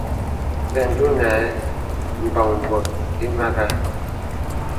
Bə ǹdùnàɛ̂ m̀bɔ̄ŋ bòt ìmàgā.